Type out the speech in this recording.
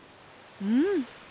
うん。